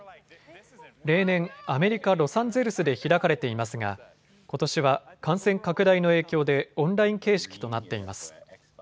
例年、アメリカ・ロサンゼルスで開かれていますがことしは感染拡大の影響でオンライン形式となっています。